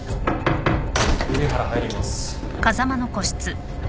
・瓜原入ります。